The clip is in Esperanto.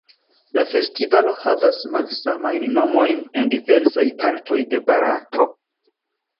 La festivalo havas malsamajn nomojn en diversaj partoj de Barato.